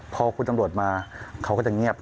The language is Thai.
พอคุณสังบัติมาเขาก็จะเงียบ